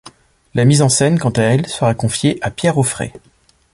La mise en scène, quant à elle sera confiée à Pierre Aufrey.